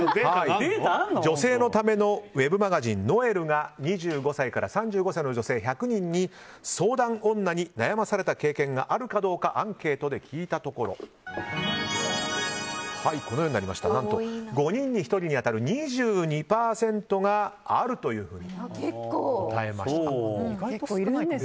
女性のためのウェブマガジン「ｎｏｅｌ」が２５歳から３５歳の女性１００人に相談女に悩まされた経験があるかアンケートで聞いたところ何と５人に１人に当たる２２％があると答えました。